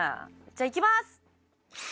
じゃあいきます